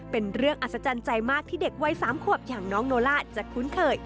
เป็นเรื่องอัศจรรย์ใจมากที่เด็กวัย๓ขวบอย่างน้องโนล่าจะคุ้นเคย